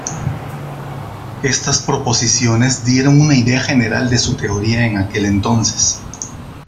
Estas proposiciones dieron una idea general de su teoría en aquel entonces.